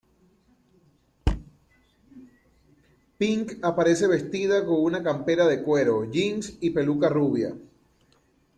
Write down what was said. Pink aparece vestida con una campera de cuero, jeans y peluca rubia.